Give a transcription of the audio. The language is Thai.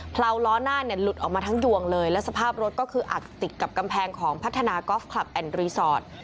เลาล้อหน้าเนี่ยหลุดออกมาทั้งดวงเลยและสภาพรถก็คืออัดติดกับกำแพงของพัฒนากอล์ฟคลับแอนด์รีสอร์ท